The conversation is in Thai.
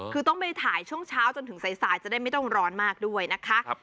คือต้องไปถ่ายช่วงเช้าจนถึงสายจะได้ไม่ต้องร้อนมากด้วยนะคะ